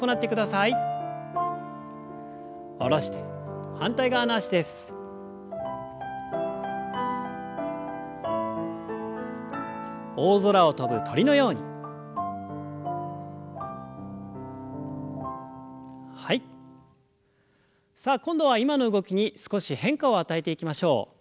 さあ今度は今の動きに少し変化を与えていきましょう。